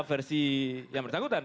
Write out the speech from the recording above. versi yang bersangkutan